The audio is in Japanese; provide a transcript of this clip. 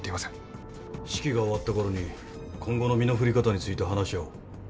式が終わったころに今後の身の振り方について話し合おう。